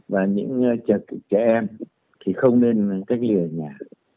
và những trẻ em thì không nên cách ly ở nhà